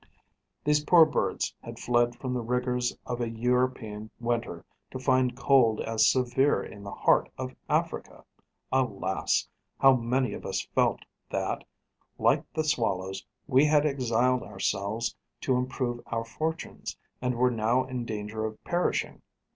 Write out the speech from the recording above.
These poor birds had fled from the rigours of a European winter, to find cold as severe in the heart of Africa. Alas! how many of us felt that, like the swallows, we had exiled ourselves to improve our fortunes, and were now in danger of perishing.